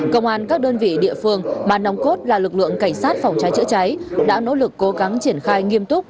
công an các đơn vị địa phương mà nòng cốt là lực lượng cảnh sát phòng cháy chữa cháy đã nỗ lực cố gắng triển khai nghiêm túc